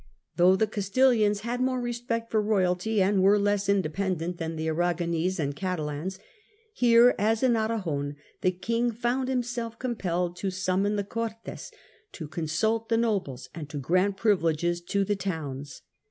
Though the Castilians had more respect for royalty, and were less independent than the Aragonese and Catalans, here, as in Aragon, the king found himself com pelled to summon the Cortes, to consult the nobles, and to grant privileges to the towns.